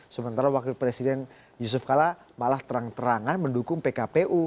sementara wakil presiden yusuf kala malah terang terangan mendukung pkpu